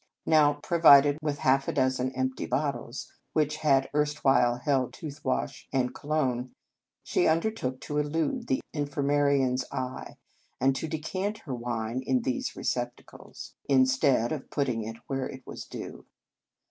Now, provided with half a dozen empty bot tles, which had erstwhile held tooth wash and cologne, she undertook to elude the infirmarian s eye, and to decant her wine into these receptacles, instead of putting it where it was due.